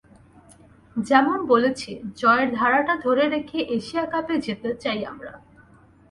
যেমন বলেছি, জয়ের ধারাটা ধরে রেখে এশিয়া কাপে যেতে চাই আমরা।